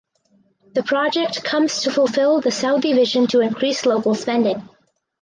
The project comes to fulfill the Saudi vision to increase local spending.